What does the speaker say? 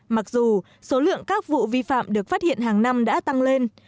mặc dù số lượng các vụ vi phạm được phát hiện hàng năm đã tăng lên